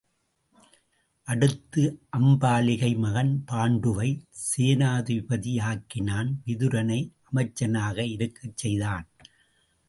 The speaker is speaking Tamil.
அடுத்து அம்பாலிகை மகன் பாண்டுவைச் சேனாதிபதியாக்கினான் விதுரனை அமைச்சனாக இருக்கச் செய்தான்.